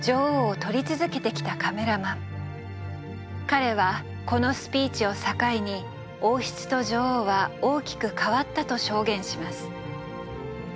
彼はこのスピーチを境に王室と女王は大きく変わったと証言します。